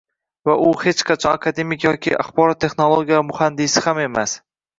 va u hech qanday akademik yoki axborot texnologiyalari muhandisi ham emas.